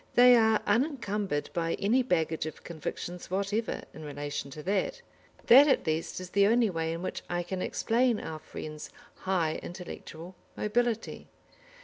They are unencumbered by any baggage of convictions whatever, in relation to that. That, at least, is the only way in which I can explain our friend's high intellectual mobility.